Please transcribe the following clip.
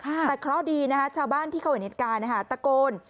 แต่เคราะห์ดีนะคะชาวบ้านที่เขาเห็นเหตุการณ์นะคะตะโกน